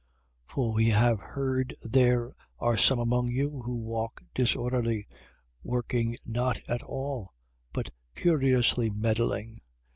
3:11. For we have heard there are some among you who walk disorderly: working not at all, but curiously meddling.